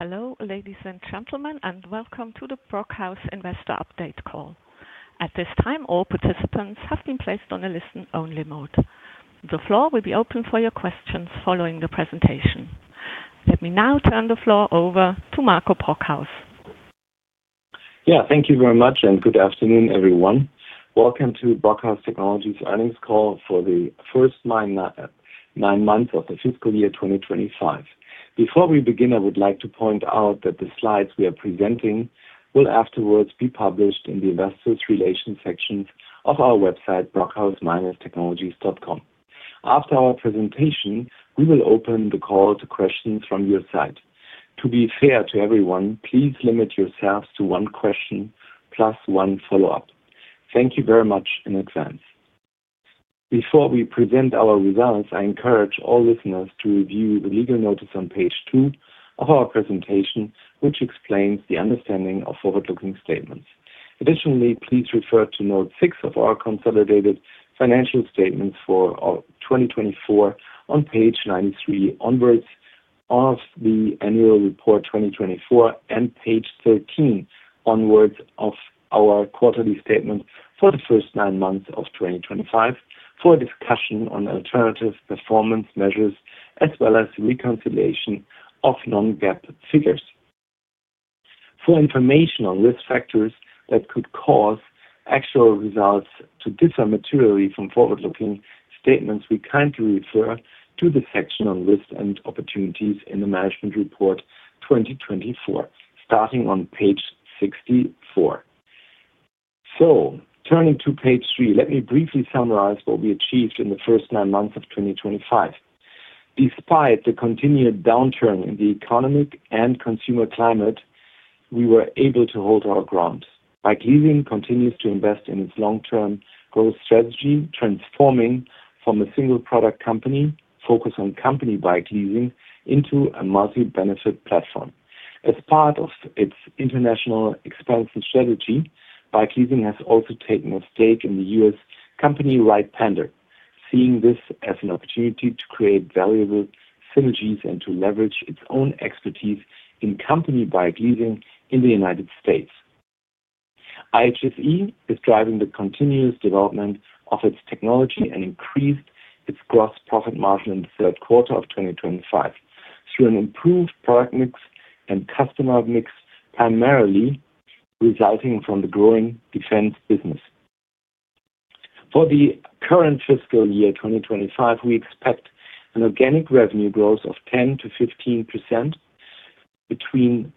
Hello, ladies and gentlemen, and welcome to the Brockhaus Investor Update Call. At this time, all participants have been placed on a listen-only mode. The floor will be open for your questions following the presentation. Let me now turn the floor over to Marco Brockhaus. Yeah, thank you very much, and good afternoon, everyone. Welcome to Brockhaus Technologies' earnings call for the first nine months of the fiscal year 2025. Before we begin, I would like to point out that the slides we are presenting will afterwards be published in the Investor Relations section of our website, brockhaus-technologies.com. After our presentation, we will open the call to questions from your side. To be fair to everyone, please limit yourselves to one question plus one follow-up. Thank you very much in advance. Before we present our results, I encourage all listeners to review the legal notice on page two of our presentation, which explains the understanding of forward-looking statements. Additionally, please refer to note six of our consolidated financial statements for 2024 on page 93 onwards of the annual report 2024 and page 13 onwards of our quarterly statements for the first nine months of 2025 for a discussion on alternative performance measures as well as reconciliation of non-GAAP figures. For information on risk factors that could cause actual results to differ materially from forward-looking statements, we kindly refer to the section on risk and opportunities in the management report 2024, starting on page 64. Turning to page three, let me briefly summarize what we achieved in the first nine months of 2025. Despite the continued downturn in the economic and consumer climate, we were able to hold our ground. BikeLeasing continues to invest in its long-term growth strategy, transforming from a single-product company focused on company bike leasing into a multi-benefit platform. As part of its international expansion strategy, BikeLeasing has also taken a stake in the US company Ridepanda, seeing this as an opportunity to create valuable synergies and to leverage its own expertise in company bike leasing in the United States. IHSE is driving the continuous development of its technology and increased its gross profit margin in the third quarter of 2025 through an improved product mix and customer mix, primarily resulting from the growing defense business. For the current fiscal year 2025, we expect an organic revenue growth of 10%-15% between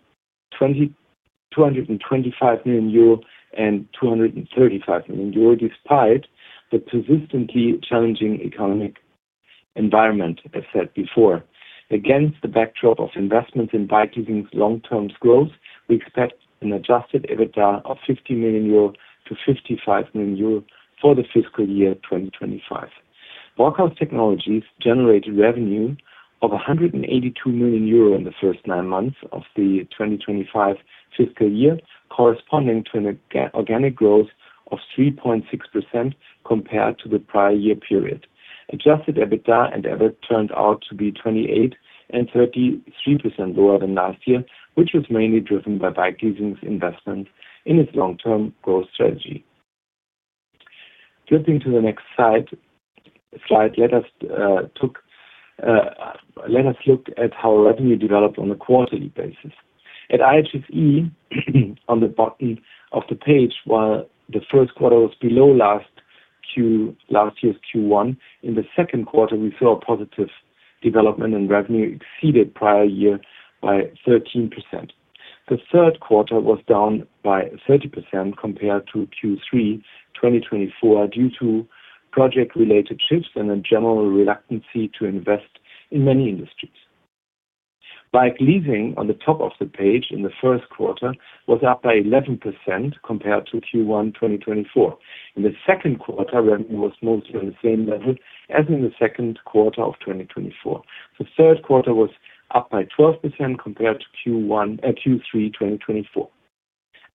225 million euro and 235 million euro, despite the persistently challenging economic environment, as said before. Against the backdrop of investments in BikeLeasing's long-term growth, we expect an adjusted EBITDA of 50 million-55 million euro for the fiscal year 2025. Brockhaus Technologies generated revenue of 182 million euro in the first nine months of the 2025 fiscal year, corresponding to an organic growth of 3.6% compared to the prior year period. Adjusted EBITDA and EBIT turned out to be 28% and 33% lower than last year, which was mainly driven by BikeLeasing's investment in its long-term growth strategy. Flipping to the next slide, let us look at how revenue developed on a quarterly basis. At IHSE, on the bottom of the page, while the first quarter was below last year's Q1, in the second quarter, we saw a positive development, and revenue exceeded prior year by 13%. The third quarter was down by 30% compared to Q3 2024 due to project-related shifts and a general reluctancy to invest in many industries. BikeLeasing, on the top of the page in the first quarter, was up by 11% compared to Q1 2024. In the second quarter, revenue was mostly on the same level as in the second quarter of 2024. The third quarter was up by 12% compared to Q3 2024.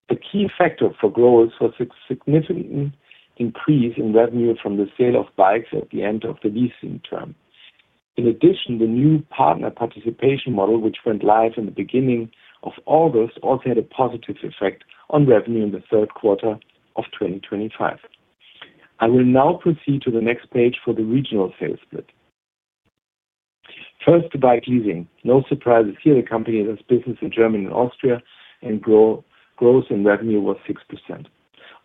The key factor for growth was a significant increase in revenue from the sale of bikes at the end of the leasing term. In addition, the new partner participation model, which went live in the beginning of August, also had a positive effect on revenue in the third quarter of 2025. I will now proceed to the next page for the regional sales split. First, to BikeLeasing. No surprises here. The company does business in Germany and Austria, and growth in revenue was 6%.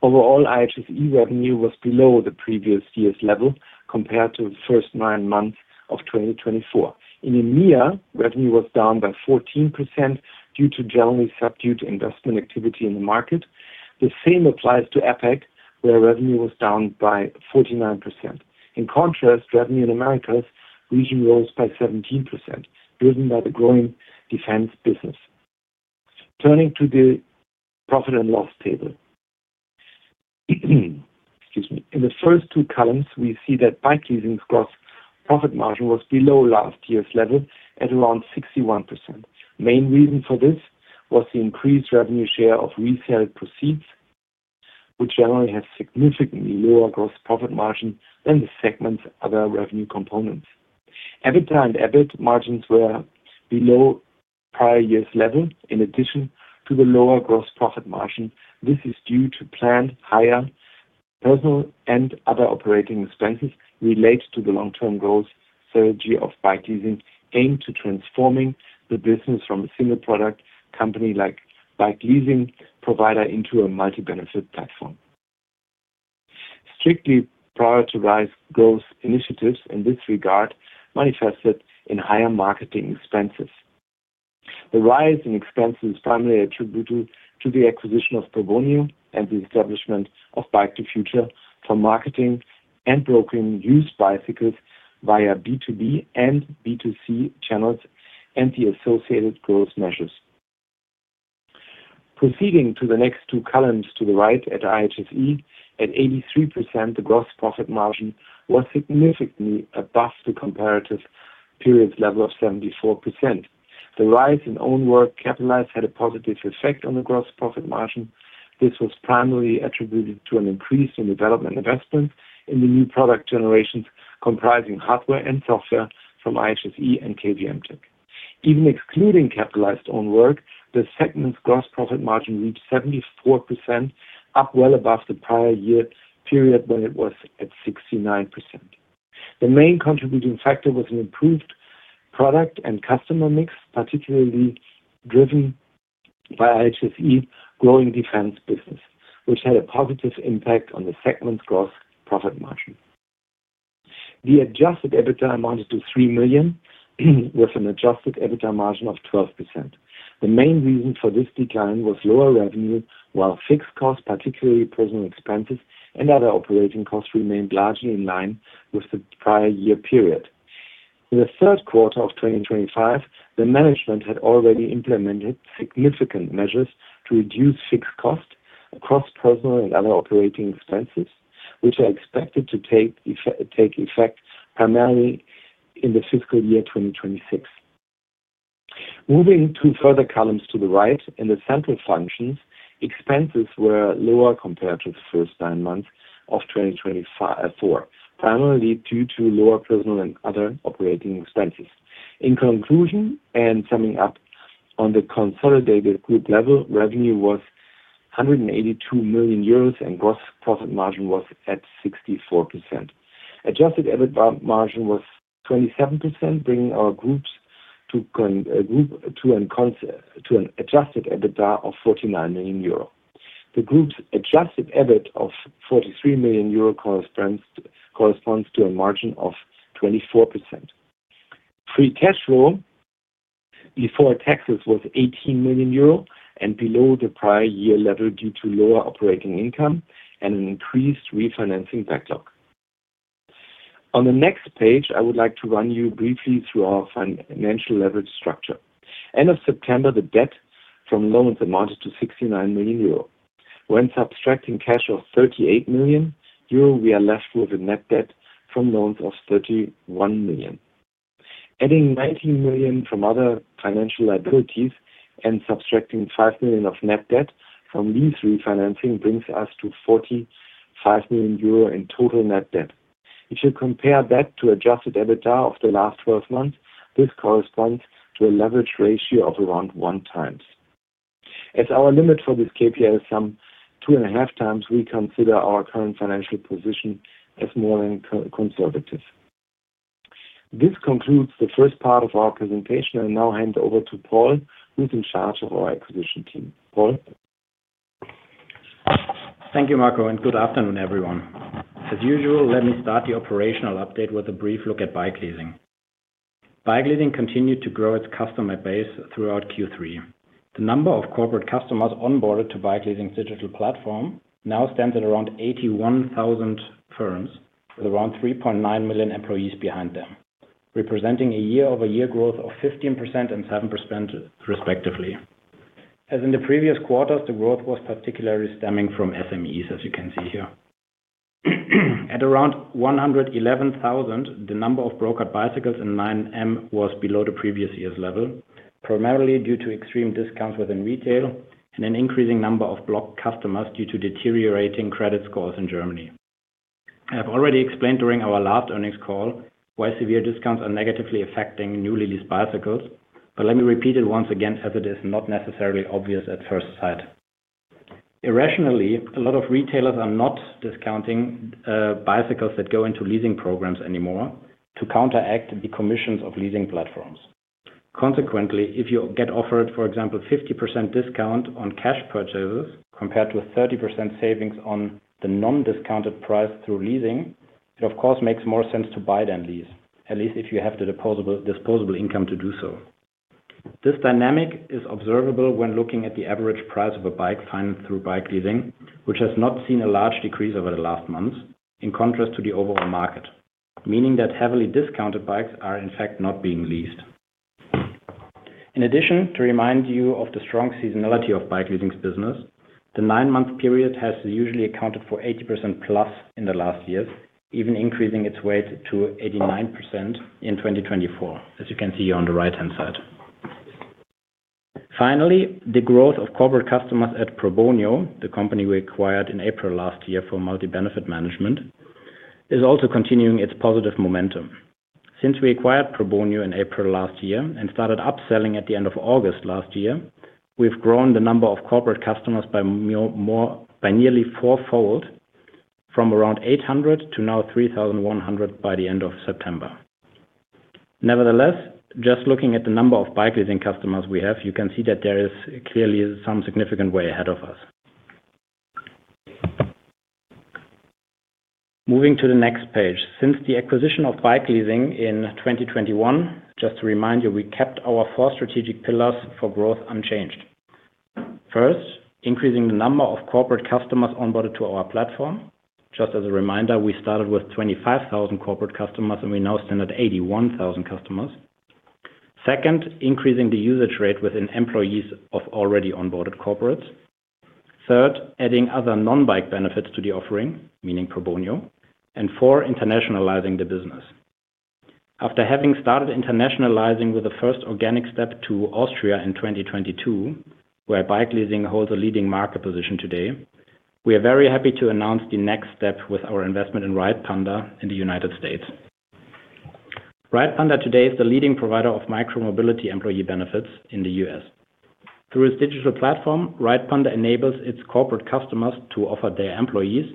Overall, IHSE revenue was below the previous year's level compared to the first nine months of 2024. In EMEA, revenue was down by 14% due to generally subdued investment activity in the market. The same applies to APAC, where revenue was down by 49%. In contrast, revenue in America's region rose by 17%, driven by the growing defense business. Turning to the profit and loss table. Excuse me. In the first two columns, we see that BikeLeasing's gross profit margin was below last year's level at around 61%. The main reason for this was the increased revenue share of resale proceeds, which generally has a significantly lower gross profit margin than the segment's other revenue components. EBITDA and EBIT margins were below prior year's level, in addition to the lower gross profit margin. This is due to planned higher personnel and other operating expenses related to the long-term growth strategy of BikeLeasing, aimed at transforming the business from a single-product company-like BikeLeasing provider into a multi-benefit platform. Strictly prioritized growth initiatives in this regard manifested in higher marketing expenses. The rise in expenses is primarily attributed to the acquisition of Probonio and the establishment of Bike2Future for marketing and brokering used bicycles via B2B and B2C channels and the associated growth measures. Proceeding to the next two columns to the right at IHSE, at 83%, the gross profit margin was significantly above the comparative period's level of 74%. The rise in own work capitalized had a positive effect on the gross profit margin. This was primarily attributed to an increase in development investments in the new product generations comprising hardware and software from IHSE and KVMTEC. Even excluding capitalized own work, the segment's gross profit margin reached 74%, up well above the prior year period when it was at 69%. The main contributing factor was an improved product and customer mix, particularly driven by IHSE's growing defense business, which had a positive impact on the segment's gross profit margin. The adjusted EBITDA amounted to 3 million, with an adjusted EBITDA margin of 12%. The main reason for this decline was lower revenue, while fixed costs, particularly personnel expenses and other operating costs, remained largely in line with the prior year period. In the third quarter of 2025, the management had already implemented significant measures to reduce fixed costs across personnel and other operating expenses, which are expected to take effect primarily in the fiscal year 2026. Moving to further columns to the right, in the central functions, expenses were lower compared to the first nine months of 2024, primarily due to lower personnel and other operating expenses. In conclusion, and summing up, on the consolidated group level, revenue was 182 million euros, and gross profit margin was at 64%. Adjusted EBITDA margin was 27%, bringing our group to an adjusted EBITDA of 49 million euro. The group's adjusted EBIT of 43 million euro corresponds to a margin of 24%. Free cash flow before taxes was 18 million euro and below the prior year level due to lower operating income and an increased refinancing backlog. On the next page, I would like to run you briefly through our financial leverage structure. End of September, the debt from loans amounted to 69 million euro. When subtracting cash of 38 million euro, we are left with a net debt from loans of 31 million. Adding 19 million from other financial liabilities and subtracting 5 million of net debt from lease refinancing brings us to 45 million euro in total net debt. If you compare that to adjusted EBITDA of the last 12 months, this corresponds to a leverage ratio of around one times. As our limit for this KPI is some two and a half times, we consider our current financial position as more than conservative. This concludes the first part of our presentation, and I now hand over to Paul, who's in charge of our acquisition team. Paul. Thank you, Marco, and good afternoon, everyone. As usual, let me start the operational update with a brief look at BikeLeasing. BikeLeasing continued to grow its customer base throughout Q3. The number of corporate customers onboarded to BikeLeasing's digital platform now stands at around 81,000 firms with around 3.9 million employees behind them, representing a year-over-year growth of 15% and 7%, respectively. As in the previous quarters, the growth was particularly stemming from SMEs, as you can see here. At around 111,000, the number of brokered bicycles in 9M was below the previous year's level, primarily due to extreme discounts within retail and an increasing number of blocked customers due to deteriorating credit scores in Germany. I have already explained during our last earnings call why severe discounts are negatively affecting newly leased bicycles, but let me repeat it once again as it is not necessarily obvious at first sight. Irrationally, a lot of retailers are not discounting bicycles that go into leasing programs anymore to counteract the commissions of leasing platforms. Consequently, if you get offered, for example, a 50% discount on cash purchases compared to a 30% savings on the non-discounted price through leasing, it, of course, makes more sense to buy than lease, at least if you have the disposable income to do so. This dynamic is observable when looking at the average price of a bike financed through BikeLeasing, which has not seen a large decrease over the last months in contrast to the overall market, meaning that heavily discounted bikes are, in fact, not being leased. In addition, to remind you of the strong seasonality of BikeLeasing's business, the nine-month period has usually accounted for 80% plus in the last years, even increasing its weight to 89% in 2024, as you can see here on the right-hand side. Finally, the growth of corporate customers at Provonio, the company we acquired in April last year for multi-benefit management, is also continuing its positive momentum. Since we acquired Provonio in April last year and started upselling at the end of August last year, we've grown the number of corporate customers by nearly fourfold, from around 800 to now 3,100 by the end of September. Nevertheless, just looking at the number of BikeLeasing customers we have, you can see that there is clearly some significant way ahead of us. Moving to the next page. Since the acquisition of BikeLeasing in 2021, just to remind you, we kept our four strategic pillars for growth unchanged. First, increasing the number of corporate customers onboarded to our platform. Just as a reminder, we started with 25,000 corporate customers, and we now stand at 81,000 customers. Second, increasing the usage rate within employees of already onboarded corporates. Third, adding other non-bike benefits to the offering, meaning Provonio. And fourth, internationalizing the business. After having started internationalizing with the first organic step to Austria in 2022, where BikeLeasing holds a leading market position today, we are very happy to announce the next step with our investment in Ridepanda in the United States. Ridepanda today is the leading provider of micromobility employee benefits in the U.S. Through its digital platform, Ridepanda enables its corporate customers to offer their employees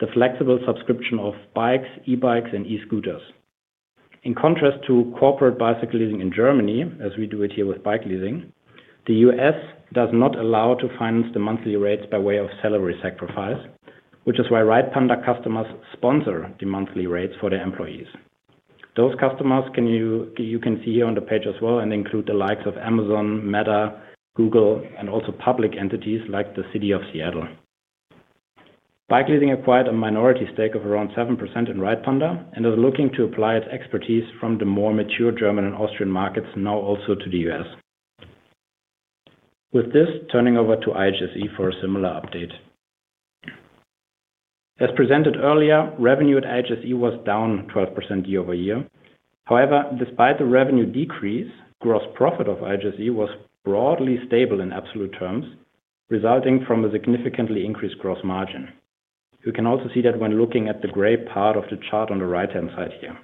the flexible subscription of bikes, e-bikes, and e-scooters. In contrast to corporate bicycle leasing in Germany, as we do it here with BikeLeasing, the U.S. does not allow to finance the monthly rates by way of salary sacrifice, which is why Ridepanda customers sponsor the monthly rates for their employees. Those customers, you can see here on the page as well, and they include the likes of Amazon, Meta, Google, and also public entities like the City of Seattle. BikeLeasing acquired a minority stake of around 7% in Ridepanda and is looking to apply its expertise from the more mature German and Austrian markets now also to the U.S. With this, turning over to IHSE for a similar update. As presented earlier, revenue at IHSE was down 12% year-over-year. However, despite the revenue decrease, gross profit of IHSE was broadly stable in absolute terms, resulting from a significantly increased gross margin. You can also see that when looking at the gray part of the chart on the right-hand side here.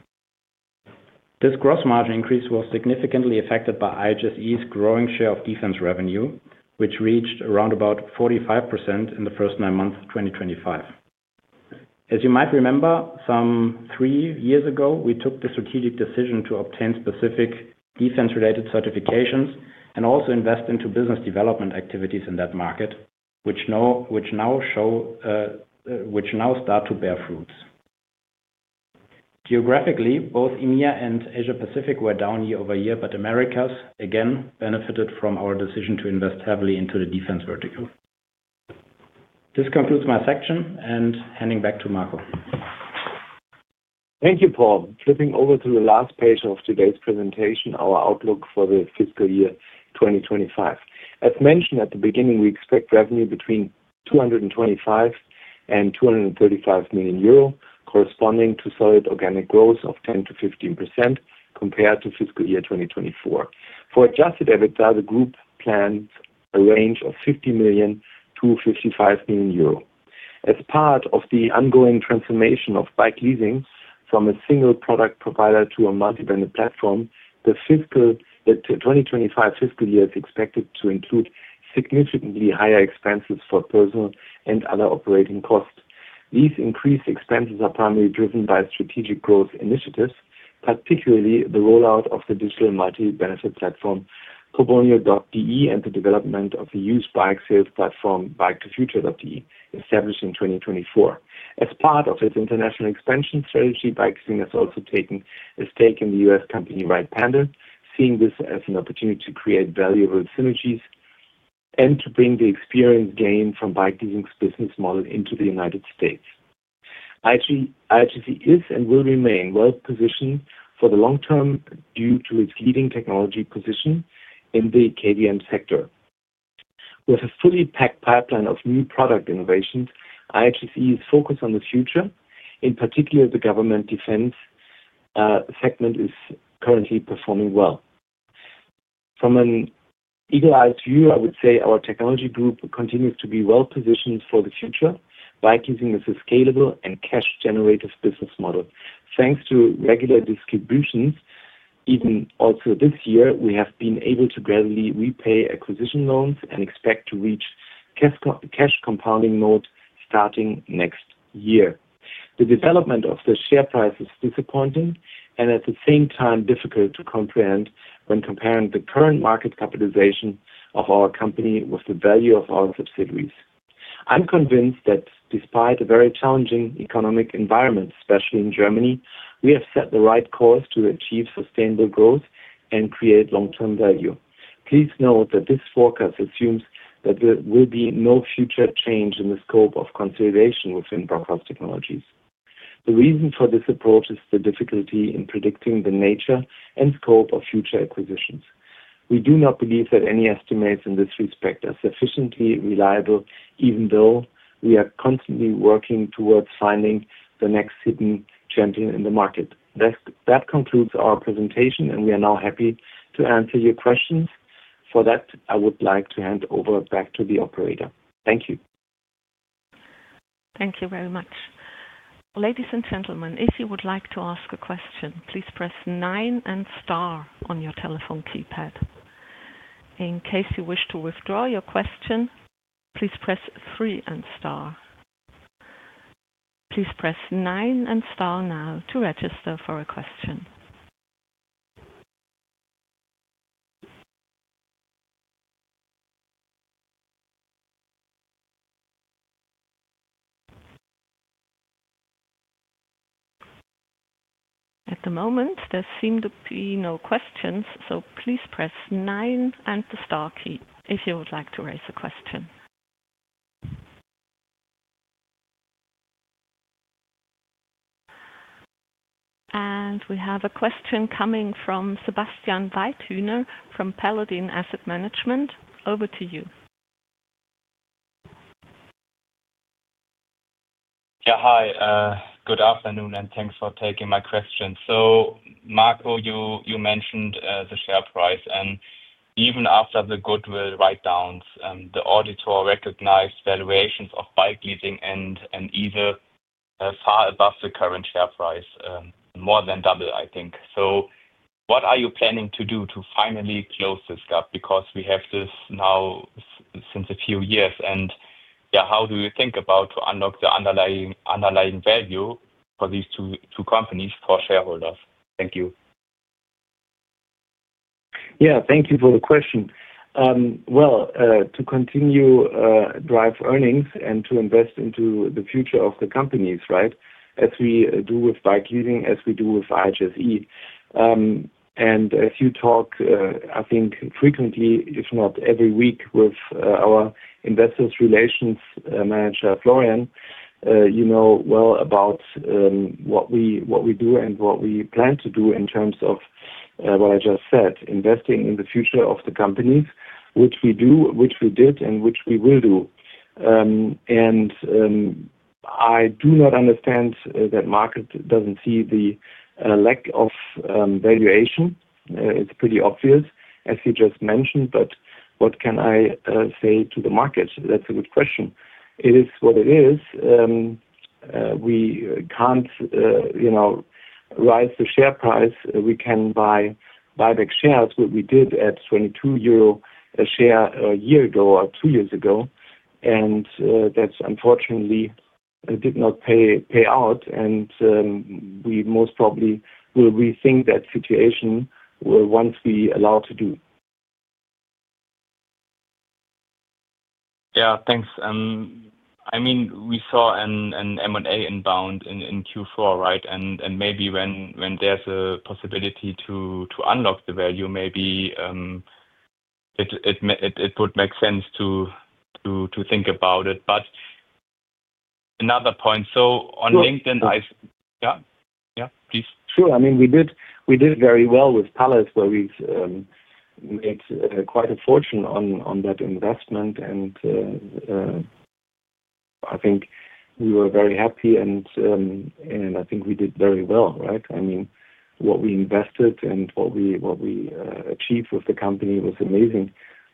This gross margin increase was significantly affected by IHSE's growing share of defense revenue, which reached around 45% in the first nine months of 2025. As you might remember, some three years ago, we took the strategic decision to obtain specific defense-related certifications and also invest into business development activities in that market, which now start to bear fruits. Geographically, both EMEA and Asia-Pacific were down year-over-year, but Americas, again, benefited from our decision to invest heavily into the defense vertical. This concludes my section, and handing back to Marco. Thank you, Paul. Flipping over to the last page of today's presentation, our outlook for the fiscal year 2025. As mentioned at the beginning, we expect revenue between 225 million and 235 million euro, corresponding to solid organic growth of 10%-15% compared to fiscal year 2024. For adjusted EBITDA, the group plans a range of 50 million-55 million euro. As part of the ongoing transformation of BikeLeasing from a single product provider to a multi-branded platform, the 2025 fiscal year is expected to include significantly higher expenses for personnel and other operating costs. These increased expenses are primarily driven by strategic growth initiatives, particularly the rollout of the digital multi-benefit platform provonio.de and the development of the huge bike sales platform bike2future.de, established in 2024. As part of its international expansion strategy, BikeLeasing has also taken a stake in the US company Ridepanda, seeing this as an opportunity to create valuable synergies and to bring the experience gained from BikeLeasing's business model into the United States. IHSE is and will remain well-positioned for the long term due to its leading technology position in the KVM sector. With a fully packed pipeline of new product innovations, IHSE is focused on the future. In particular, the government defense segment is currently performing well. From an eagle-eyed view, I would say our technology group continues to be well-positioned for the future. BikeLeasing is a scalable and cash-generative business model. Thanks to regular distributions, even also this year, we have been able to gradually repay acquisition loans and expect to reach cash compounding mode starting next year. The development of the share price is disappointing and at the same time difficult to comprehend when comparing the current market capitalization of our company with the value of our subsidiaries. I'm convinced that despite a very challenging economic environment, especially in Germany, we have set the right course to achieve sustainable growth and create long-term value. Please note that this forecast assumes that there will be no future change in the scope of consideration within Brockhaus Technologies. The reason for this approach is the difficulty in predicting the nature and scope of future acquisitions. We do not believe that any estimates in this respect are sufficiently reliable, even though we are constantly working towards finding the next hidden champion in the market. That concludes our presentation, and we are now happy to answer your questions. For that, I would like to hand over back to the operator. Thank you. Thank you very much. Ladies and gentlemen, if you would like to ask a question, please press nine and star on your telephone keypad. In case you wish to withdraw your question, please press three and star. Please press nine and star now to register for a question. At the moment, there seem to be no questions, so please press nine and the star key if you would like to raise a question. We have a question coming from Sebastian Weidhüner from Paladin Asset Management. Over to you. Yeah, hi. Good afternoon, and thanks for taking my question. Marco, you mentioned the share price, and even after the goodwill write-downs, the auditor recognized valuations of BikeLeasing and EVEL far above the current share price, more than double, I think. What are you planning to do to finally close this gap? We have this now since a few years, and yeah, how do you think about to unlock the underlying value for these two companies for shareholders? Thank you. Yeah, thank you for the question. To continue to drive earnings and to invest into the future of the companies, right, as we do with BikeLeasing, as we do with IHSE. As you talk, I think frequently, if not every week, with our investor relations manager, Florian, you know well about what we do and what we plan to do in terms of what I just said, investing in the future of the companies, which we do, which we did, and which we will do. I do not understand that Marco does not see the lack of valuation. It is pretty obvious, as he just mentioned, but what can I say to the market? That is a good question. It is what it is. We cannot raise the share price. We can buy back shares, which we did at 22 euro a share a year ago or two years ago, and that unfortunately did not pay out, and we most probably will rethink that situation once we are allowed to do. Yeah, thanks. I mean, we saw an M&A inbound in Q4, right? Maybe when there's a possibility to unlock the value, maybe it would make sense to think about it. Another point, so on LinkedIn, I, yeah, yeah, please. Sure. I mean, we did very well with Paladin, where we have made quite a fortune on that investment, and I think we were very happy, and I think we did very well, right? I mean, what we invested and what we achieved with the company was amazing.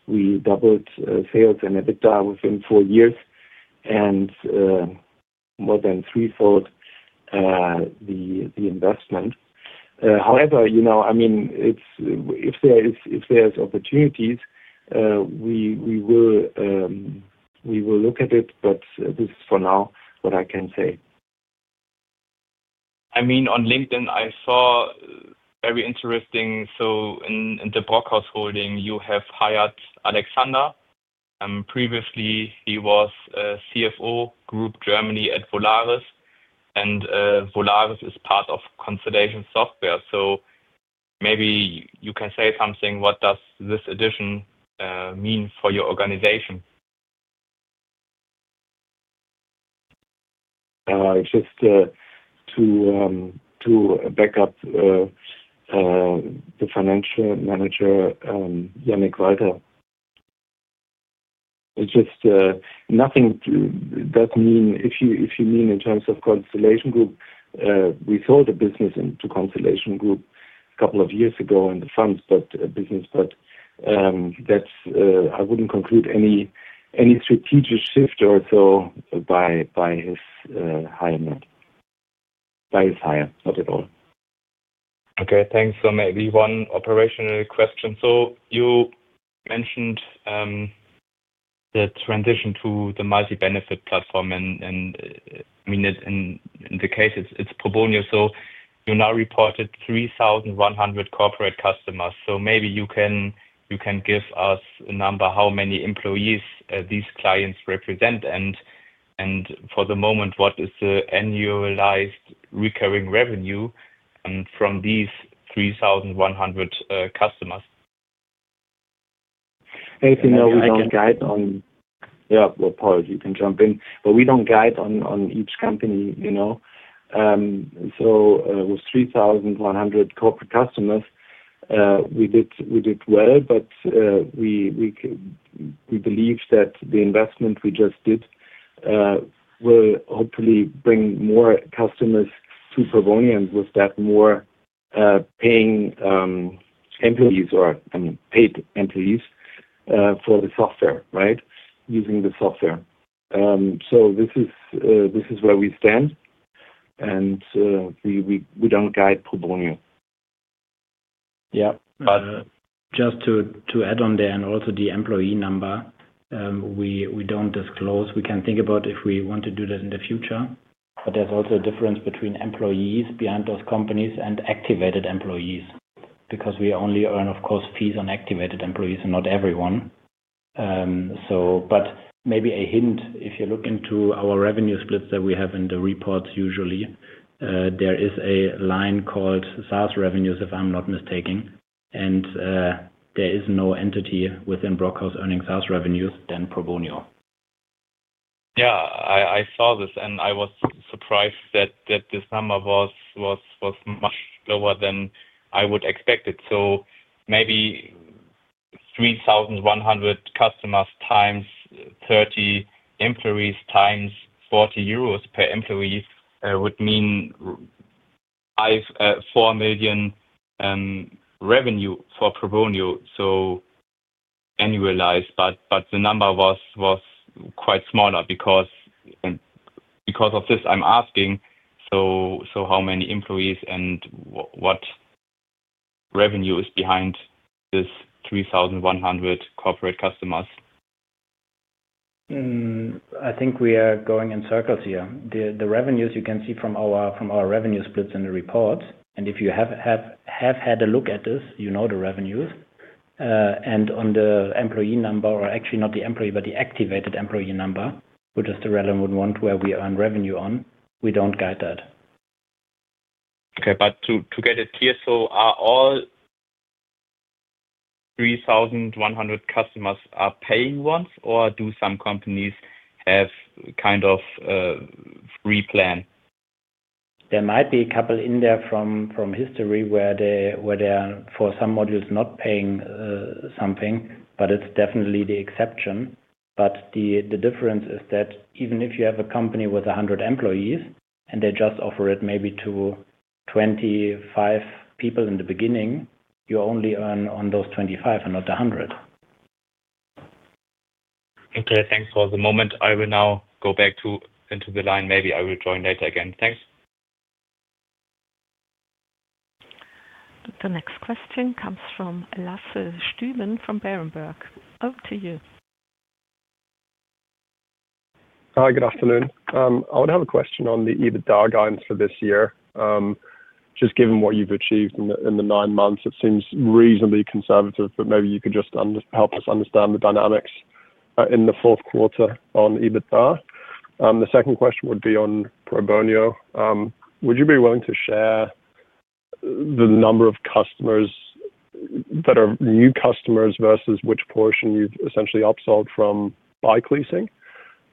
We doubled sales and EBITDA within four years and more than threefold the investment. However, I mean, if there are opportunities, we will look at it, but this is for now what I can say. I mean, on LinkedIn, I saw very interesting, so in the Brockhaus Holding, you have hired Alexander. Previously, he was CFO Group Germany at Volaris, and Volaris is part of Constellation Software. Maybe you can say something. What does this addition mean for your organization? Just to back up the financial manager, Yannick Walter. Just nothing does mean if you mean in terms of Constellation Software, we sold the business to Constellation Software a couple of years ago and the funds, but business, but that's I wouldn't conclude any strategic shift or so by his hire, not at all. Okay, thanks. Maybe one operational question. You mentioned the transition to the multi-benefit platform, and I mean, in the case, it is Provonio. You now reported 3,100 corporate customers. Maybe you can give us a number, how many employees these clients represent, and for the moment, what is the annualized recurring revenue from these 3,100 customers? I guess we don't guide on, yeah, Paul, you can jump in. We don't guide on each company. With 3,100 corporate customers, we did well. We believe that the investment we just did will hopefully bring more customers to Probonio and with that, more paying employees or paid employees for the software, right, using the software. This is where we stand, and we don't guide Probonio. Yeah, but just to add on there and also the employee number, we do not disclose. We can think about if we want to do that in the future, but there is also a difference between employees behind those companies and activated employees because we only earn, of course, fees on activated employees and not everyone. Maybe a hint, if you look into our revenue splits that we have in the reports, usually there is a line called SaaS revenues, if I am not mistaking, and there is no entity within Brockhaus earning SaaS revenues than Probonio. Yeah, I saw this, and I was surprised that this number was much lower than I would expect it. Maybe 3,100 customers times 30 employees times 40 euros per employee would mean 4 million in revenue for Probonio, so annualized. The number was quite smaller because of this I am asking. How many employees and what revenue is behind this 3,100 corporate customers? I think we are going in circles here. The revenues you can see from our revenue splits in the report, and if you have had a look at this, you know the revenues. On the employee number, or actually not the employee, but the activated employee number, which is the relevant one where we earn revenue on, we do not guide that. Okay, but to get it clear, are all 3,100 customers paying once, or do some companies have kind of free plan? There might be a couple in there from history where they're, for some models, not paying something, but it's definitely the exception. The difference is that even if you have a company with 100 employees and they just offer it maybe to 25 people in the beginning, you only earn on those 25 and not 100. Okay, thanks. For the moment, I will now go back into the line. Maybe I will join later again. Thanks. The next question comes from Lasse Stüben from Berenburg. Over to you. Hi, good afternoon. I would have a question on the EBITDA guidance for this year. Just given what you've achieved in the nine months, it seems reasonably conservative, but maybe you could just help us understand the dynamics in the fourth quarter on EBITDA. The second question would be on Provonio. Would you be willing to share the number of customers that are new customers versus which portion you've essentially upsold from BikeLeasing?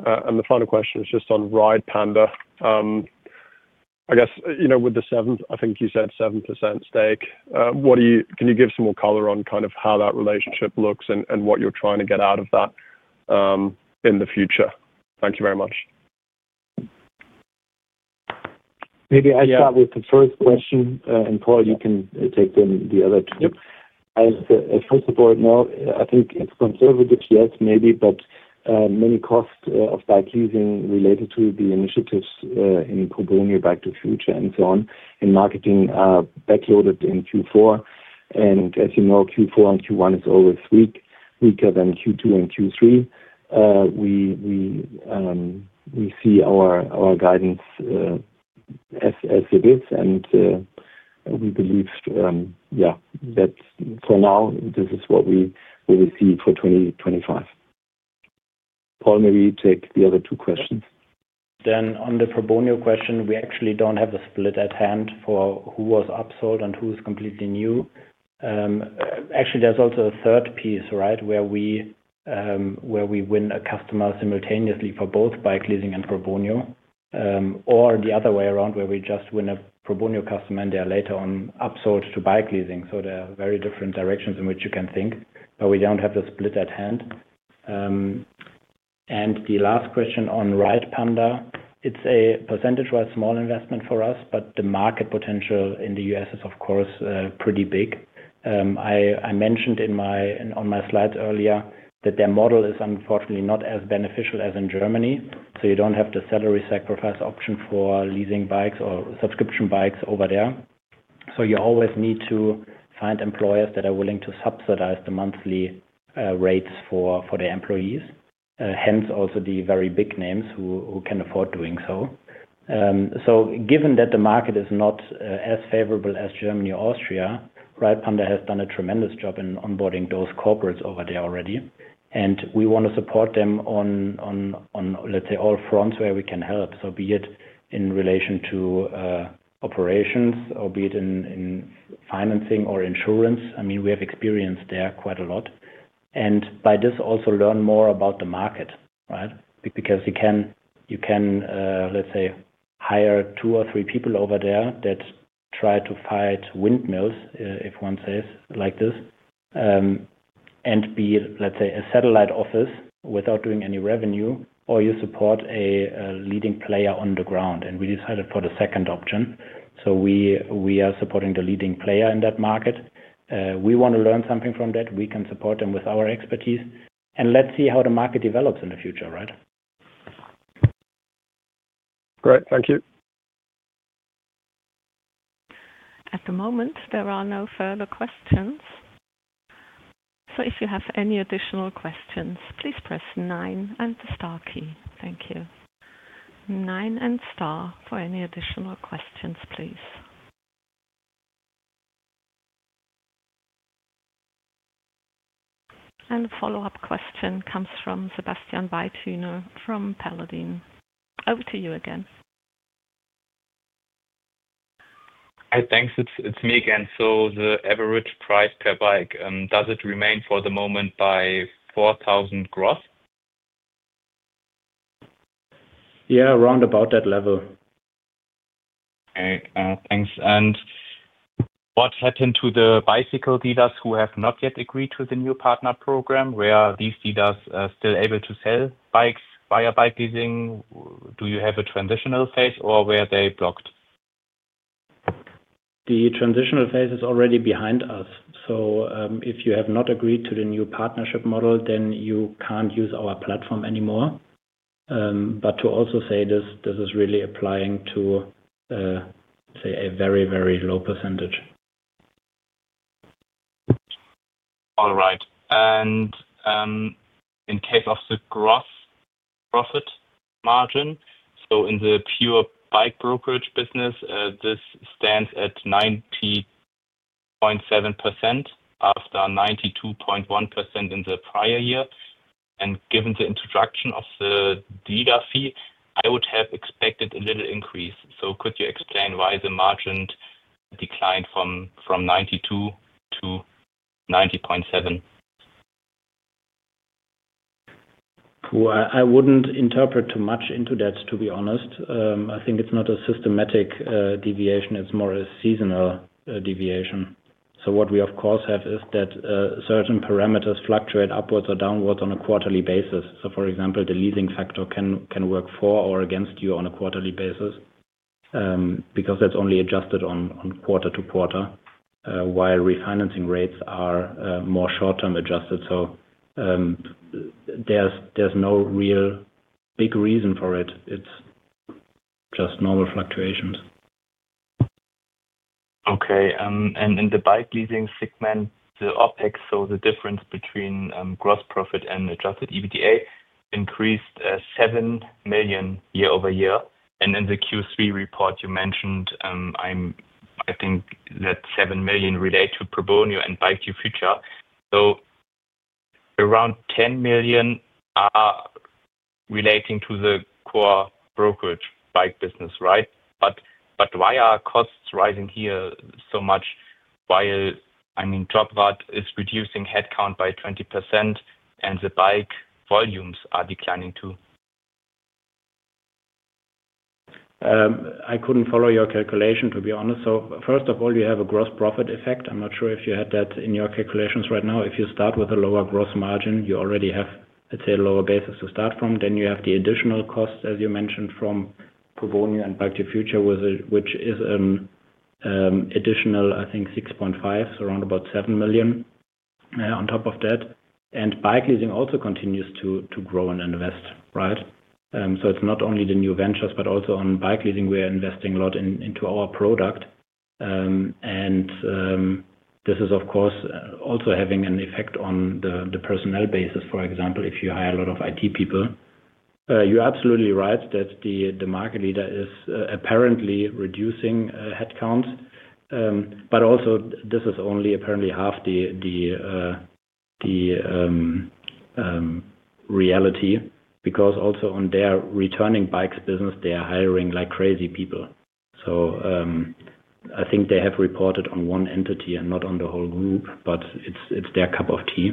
The final question is just on Ridepanda. I guess with the seven, I think you said 7% stake. Can you give some more color on kind of how that relationship looks and what you're trying to get out of that in the future? Thank you very much. Maybe I start with the first question, and Paul, you can take then the other two. As a first report, no, I think it is conservative, yes, maybe, but many costs of BikeLeasing related to the initiatives in Probonio, Bike2Future, and so on in marketing are backloaded in Q4. As you know, Q4 and Q1 is always weaker than Q2 and Q3. We see our guidance as it is, and we believe, yeah, that for now, this is what we see for 2025. Paul, maybe you take the other two questions. On the probonio question, we actually do not have a split at hand for who was upsold and who is completely new. Actually, there is also a third piece, right, where we win a customer simultaneously for both BikeLeasing and probonio, or the other way around, where we just win a probonio customer and they are later on upsold to BikeLeasing. There are very different directions in which you can think, but we do not have the split at hand. The last question on Ridepanda, it is a percentage-wise small investment for us, but the market potential in the US is, of course, pretty big. I mentioned on my slides earlier that their model is unfortunately not as beneficial as in Germany, so you do not have the salary sacrifice option for leasing bikes or subscription bikes over there. You always need to find employers that are willing to subsidize the monthly rates for their employees, hence also the very big names who can afford doing so. Given that the market is not as favorable as Germany or Austria, Ridepanda has done a tremendous job in onboarding those corporates over there already, and we want to support them on, let's say, all fronts where we can help. Be it in relation to operations, or be it in financing or insurance. I mean, we have experience there quite a lot. By this also learn more about the market, right? Because you can, let's say, hire two or three people over there that try to fight windmills, if one says like this, and be, let's say, a satellite office without doing any revenue, or you support a leading player on the ground. We decided for the second option. We are supporting the leading player in that market. We want to learn something from that. We can support them with our expertise, and let's see how the market develops in the future, right? Great, thank you. At the moment, there are no further questions. If you have any additional questions, please press nine and the star key. Thank you. Nine and star for any additional questions, please. A follow-up question comes from Sebastian Weidhüner from Paladin. Over to you again. Hi, thanks. It's me again. The average price per bike, does it remain for the moment by 4,000 gross? Yeah, around about that level. Okay, thanks. What happened to the bicycle dealers who have not yet agreed to the new partner program? Where are these dealers still able to sell bikes via BikeLeasing? Do you have a transitional phase or were they blocked? The transitional phase is already behind us. If you have not agreed to the new partnership model, then you can't use our platform anymore. To also say this, this is really applying to, say, a very, very low percentage. All right. In case of the gross profit margin, in the pure bike brokerage business, this stands at 90.7% after 92.1% in the prior year. Given the introduction of the dealer fee, I would have expected a little increase. Could you explain why the margin declined from 92% to 90.7%? I wouldn't interpret too much into that, to be honest. I think it's not a systematic deviation. It's more a seasonal deviation. What we, of course, have is that certain parameters fluctuate upwards or downwards on a quarterly basis. For example, the leasing factor can work for or against you on a quarterly basis because that's only adjusted on quarter to quarter, while refinancing rates are more short-term adjusted. There's no real big reason for it. It's just normal fluctuations. Okay. In the BikeLeasing segment, the OpEx, so the difference between gross profit and adjusted EBITDA, increased 7 million year-over-year. In the Q3 report, you mentioned, I think, that 7 million relate to Probonio and Bike2Future. Around 10 million are relating to the core brokerage bike business, right? Why are costs rising here so much while, I mean, JobRad is reducing headcount by 20% and the bike volumes are declining too? I could not follow your calculation, to be honest. First of all, you have a gross profit effect. I am not sure if you had that in your calculations right now. If you start with a lower gross margin, you already have, let's say, a lower basis to start from. You have the additional cost, as you mentioned, from Probonio and Bike2Future, which is an additional, I think, 6.5 million, so around about 7 million on top of that. BikeLeasing also continues to grow and invest, right? It is not only the new ventures, but also on BikeLeasing, we are investing a lot into our product. This is, of course, also having an effect on the personnel basis. For example, if you hire a lot of IT people, you are absolutely right that the market leader is apparently reducing headcount. This is only apparently half the reality because also on their returning bikes business, they are hiring like crazy people. I think they have reported on one entity and not on the whole group, but it is their cup of tea.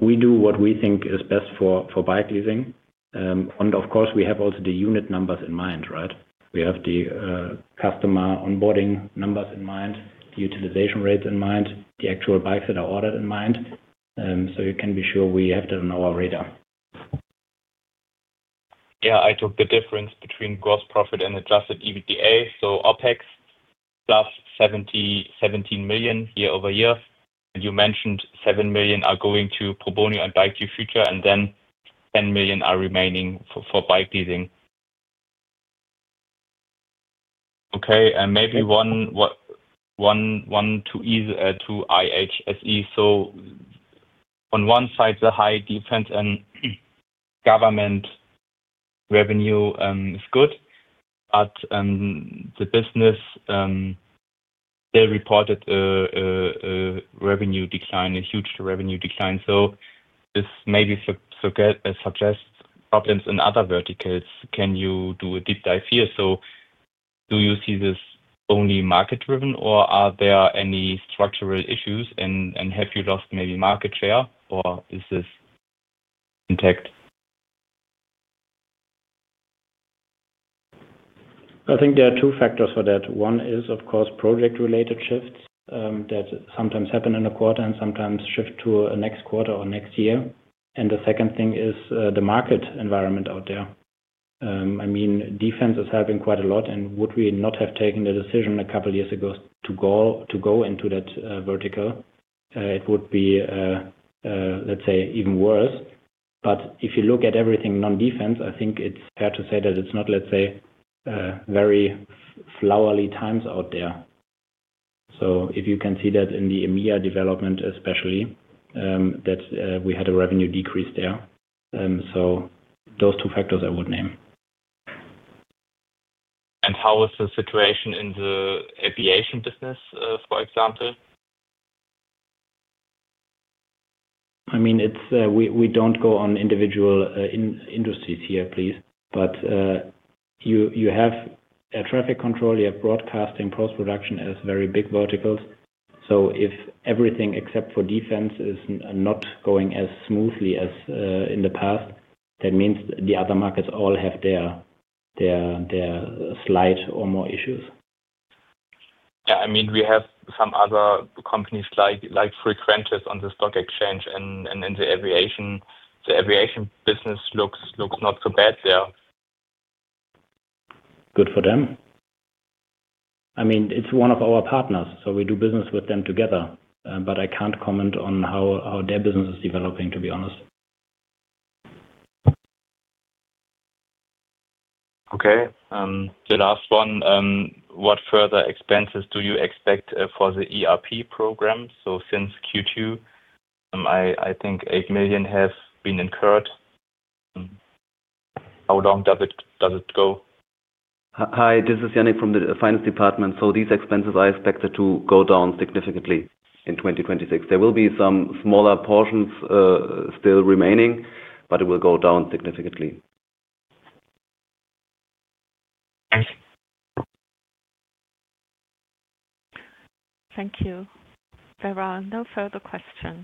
We do what we think is best for BikeLeasing. Of course, we have also the unit numbers in mind, right? We have the customer onboarding numbers in mind, the utilization rates in mind, the actual bikes that are ordered in mind. You can be sure we have that on our radar. Yeah, I took the difference between gross profit and adjusted EBITDA. So OpEx plus 17 million year-over-year. You mentioned 7 million are going to Probonio and Bike2Future, and then 10 million are remaining for BikeLeasing. Okay, and maybe one to IHSE. On one side, the high defense and government revenue is good, but the business reported a huge revenue decline. This maybe suggests problems in other verticals. Can you do a deep dive here? Do you see this only market-driven, or are there any structural issues, and have you lost maybe market share, or is this intact? I think there are two factors for that. One is, of course, project-related shifts that sometimes happen in a quarter and sometimes shift to next quarter or next year. The second thing is the market environment out there. I mean, defense is helping quite a lot, and would we not have taken the decision a couple of years ago to go into that vertical, it would be, let's say, even worse. If you look at everything non-defense, I think it's fair to say that it's not, let's say, very flowery times out there. You can see that in the EMEA development, especially, that we had a revenue decrease there. Those two factors I would name. How is the situation in the aviation business, for example? I mean, we don't go on individual industries here, please. You have traffic control, you have broadcasting, post-production as very big verticals. If everything except for defense is not going as smoothly as in the past, that means the other markets all have their slight or more issues. Yeah, I mean, we have some other companies like Frequentis on the stock exchange, and in the aviation, the aviation business looks not so bad there. Good for them. I mean, it's one of our partners, so we do business with them together. I can't comment on how their business is developing, to be honest. Okay. The last one, what further expenses do you expect for the ERP program? Since Q2, I think 8 million have been incurred. How long does it go? Hi, this is Yannick from the finance department. These expenses, I expect it to go down significantly in 2026. There will be some smaller portions still remaining, but it will go down significantly. Thank you. There are no further questions.